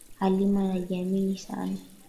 Halima anajiamini sana